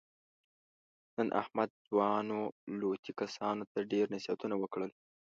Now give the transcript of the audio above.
نن احمد ځوانو لوطي کسانو ته ډېر نصیحتونه وکړل.